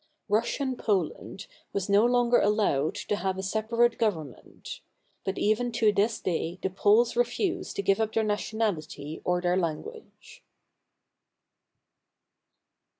Rus sian Poland was no longer allowed to have a separate govern ment; but even to this day the Poles refuse to give up their nationality or their language.